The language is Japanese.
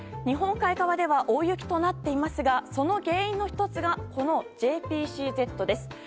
日本海側では大雪となっていますがその原因の１つがこのＪＰＣＺです。